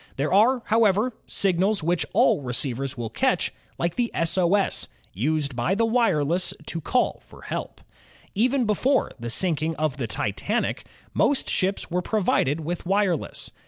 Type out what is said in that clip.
There are, however, signals which all receivers will catch, like the S. O. S., used by the wireless to call for. help. Even before the sinking of the Titanic, most ships were provided with wireless.